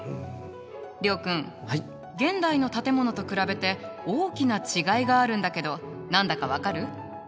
諒君現代の建物と比べて大きな違いがあるんだけど何だか分かる？